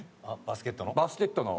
バスケットの？